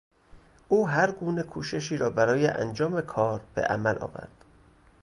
او هر گونه کوششی را برای انجام کار به عمل آورد.